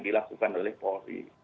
dilakukan oleh polri